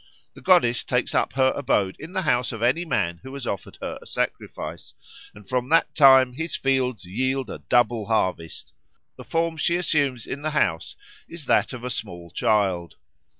The goddess takes up her abode in the house of any man who has offered her a sacrifice, and from that time his fields yield a double harvest. The form she assumes in the house is that of a small child.